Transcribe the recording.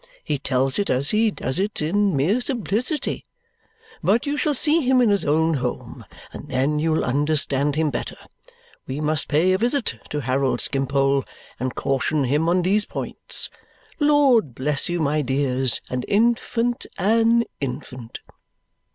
He tells it as he does it in mere simplicity. But you shall see him in his own home, and then you'll understand him better. We must pay a visit to Harold Skimpole and caution him on these points. Lord bless you, my dears, an infant, an infant!"